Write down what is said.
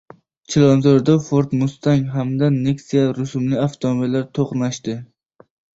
Chilonzorda "Ford Mustang" hamda "Nexia" rusumli avtomobillar to‘qnashdi